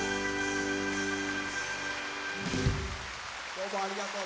どうもありがとう！